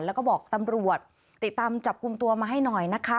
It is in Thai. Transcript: แล้วก็บอกตำรวจติดตามจับกลุ่มตัวมาให้หน่อยนะคะ